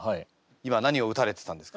今何を打たれてたんですか？